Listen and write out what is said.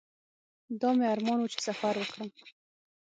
دا مې ارمان و چې سفر وکړم.